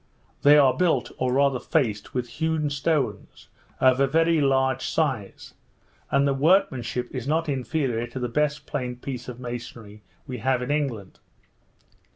They are built, or rather faced, with hewn stones, of a very large size; and the workmanship is not inferior to the best plain piece of masonry we have in England.